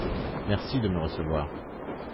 Merci de me recevoir.